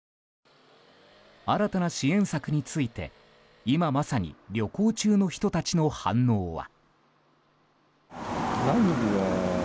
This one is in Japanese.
新たな支援策について今まさに旅行中の人たちの反応は。